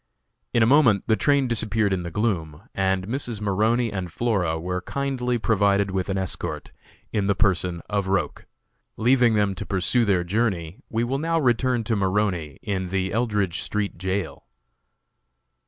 In a moment the train disappeared in the gloom, and Mrs. Maroney and Flora were kindly provided with an escort, in the person of Roch. Leaving them to pursue their journey, we will now return to Maroney, in the Eldridge street jail.